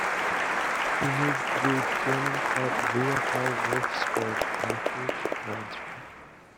He moved to German club VfL Wolfsburg on a free transfer.